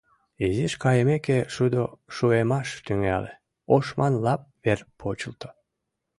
Изиш кайымеке, шудо шуэмаш тӱҥале, ошман лап вер почылто.